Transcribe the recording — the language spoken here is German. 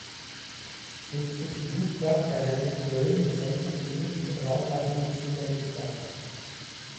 Sitz ist die Luftwaffen-Kaserne in Köln im Zentrum für Luft- und Raumfahrtmedizin der Luftwaffe.